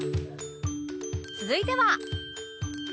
続いては